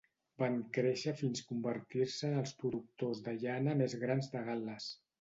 Van créixer fins convertir-se en els productors de llana més grans de Gal·les.